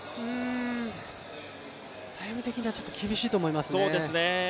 タイム的にはちょっと厳しいと思いますね。